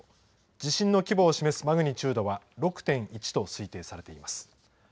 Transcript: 地震の規模を示すマグニチュードは、６．１と推定されています。